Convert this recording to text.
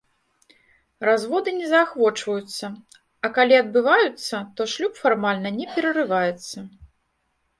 Разводы не заахвочваюцца, а, калі адбываюцца, то шлюб фармальна не перарываецца.